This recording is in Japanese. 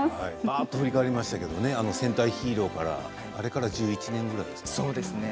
振り返りましたけど戦隊ヒーローから、あれから１１年くらいですか。